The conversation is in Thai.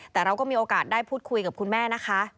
แต่เราก็มีโอกาสได้พูดคุยกับคุณแม่นะคะ